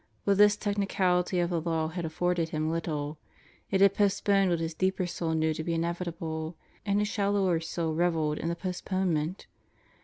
But this technicality of the law had afforded him time; it had postponed what his deeper soul knew to be inevitable; and his shallower soul reveled in the postpone ment.